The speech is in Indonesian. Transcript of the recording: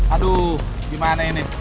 aduh gimana ini